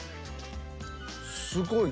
すごい。